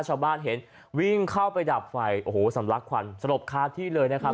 ชาวบ้านเห็นวิ่งเข้าไปดับไฟโอ้โหสำลักควันสลบคาที่เลยนะครับ